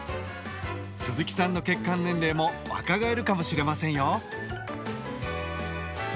鈴木さんの血管年齢も若返るかもしれませんよ。